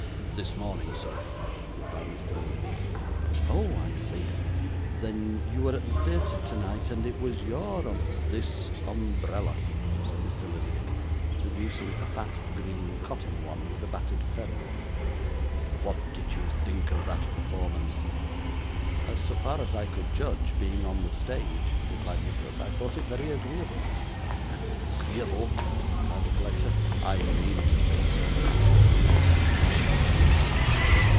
'This morning, sir,' replied Mr. Lillyvick. 'Oh! I see; then you were at the theatre tonight, and it was your umb ' 'This umbrella,' said Mr. Lillyvick, producing a fat green cotton one with a battered ferrule. 'What did you think of that performance?' 'So far as I could judge, being on the stage,' replied Nicholas, 'I thought it very agreeable.' 'Agreeable!' cried the collector. 'I mean to say, sir, that it was delicious.